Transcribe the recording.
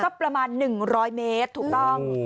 ประมาณ๑๐๐เมตรถูกต้อง